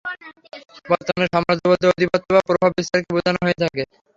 বর্তমানে সাম্রাজ্য বলতে আধিপত্য বা প্রভাব বিস্তারকে বুঝানো হয়ে থাকে।